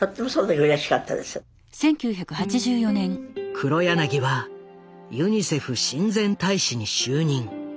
黒柳はユニセフ親善大使に就任。